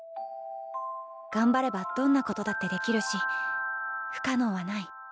頑張ればどんなことだってできるし不可能はない。